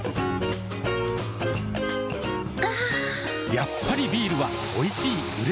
やっぱりビールはおいしい、うれしい。